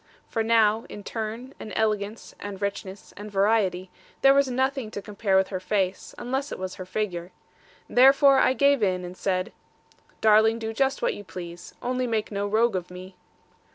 For now, in turn, and elegance, and richness, and variety, there was nothing to compare with her face, unless it were her figure. Therefore I gave in, and said, 'Darling, do just what you please. Only make no rogue of me.'